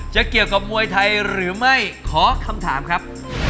จะเกี่ยวกับมวยไทยหรือไม่ขอคำถามครับ